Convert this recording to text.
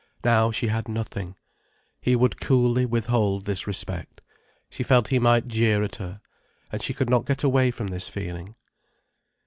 Now she had nothing, he would coolly withhold this respect. She felt he might jeer at her. And she could not get away from this feeling.